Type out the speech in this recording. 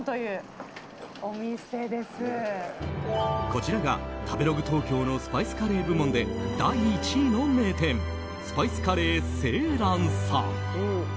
こちらが、食べログ東京のスパイスカレー部門で第１位の名店スパイスカレー青藍さん。